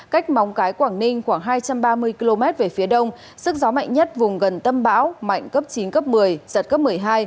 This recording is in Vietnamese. cách móng cái quảng ninh khoảng hai trăm ba mươi km về phía đông sức gió mạnh nhất vùng gần tâm bão mạnh cấp chín cấp một mươi giật cấp một mươi hai